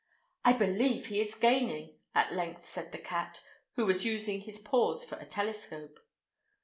"I believe he is gaining," at length said the cat, who was using his paws for a telescope.